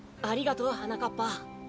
ありがとうはなかっぱ。